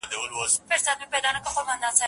ستړي به پېړۍ سي چي به بیا راځي اوبه ورته